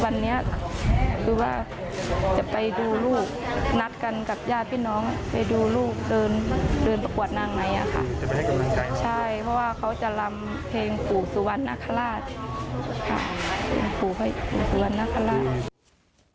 ว่ากูจะไปดูลูกนัดกันกับยาพี่น้องไปดูลูกเดินประกวดนางไหมอ่ะค่ะให้กำนักทนายใช่เพราะว่าเขาจะรำเพลงหูสุวรรณนครราชว้างอาทิตย์